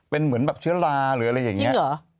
เป็นเหมือนแบบเชื้อราหรืออะไรอย่างนี้